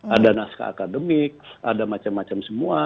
ada naskah akademik ada macam macam semua